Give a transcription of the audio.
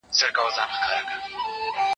ما چي ول بالا به ته ملامت يې باره زه ملامت سوم